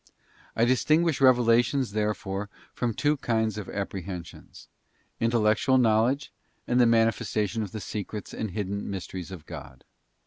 I distinguish revelations therefore into two kinds of appre hensions — intellectual knowledge, and the manifestation of the secrets and hidden mysteries of God.